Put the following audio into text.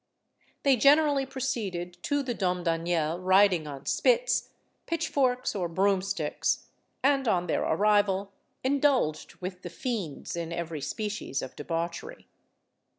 They generally proceeded to the Domdaniel, riding on spits, pitchforks, or broomsticks, and on their arrival indulged with the fiends in every species of debauchery.